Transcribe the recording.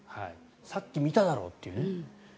さっき見ただろうというね。